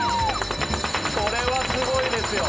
これはすごいですよ